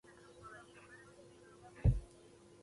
د ښخ شوو وسلو ارزښت نه و معلوم.